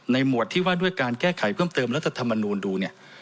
หมวดที่ว่าด้วยการแก้ไขเพิ่มเติมรัฐธรรมนูลดูเนี่ย